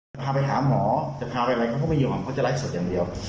จะพาไปหาหมอจะพาไปอะไรเขาก็ไม่ยอมเขาจะไลฟ์สดอย่างเดียว